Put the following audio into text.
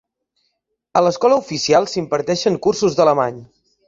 A l'escola oficial s'imparteixen cursos d'alemany.